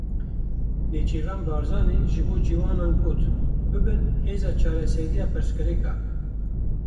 Nêçîrvan Barzanî ji bo ciwanan got; bibin hêza çareseriya pirsgirêkan.